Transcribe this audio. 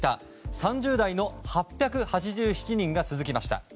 ３０代の８８７人が続きました。